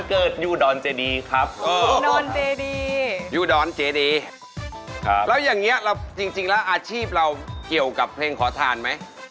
คิดถูกจริงแล้วอาชีพเราเกี่ยวกับเพลงขอทานไหม